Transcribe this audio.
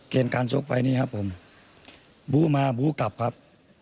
เกณฑ์การส่งไฟนี้ครับผมบู้มาบู้กลับครับ